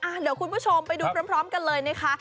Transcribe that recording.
เดี๋ยวคุณผู้ชมไปดูพร้อมกันเลยนะคะ